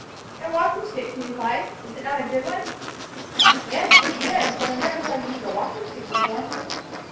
"A walking stick," he replied: "Is it not a good one?" "Yes, pretty good; but I never saw you use a walking stick before."